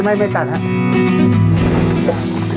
ไม่ตัดครับ